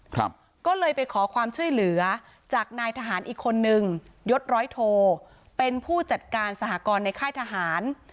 ครับก็เลยไปขอความช่วยเหลือจากนายทหารอีกคนนึงยดร้อยโทเป็นผู้จัดการสหกรณ์ในค่ายทหาร